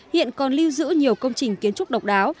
hiện còn lưu giữ nhiều công trình kiến trúc độc đáo